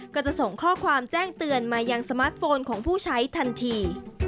ก็จะส่งข้อความแจ้งเตือนมายังสมาร์ทโฟนของผู้ใช้ทันที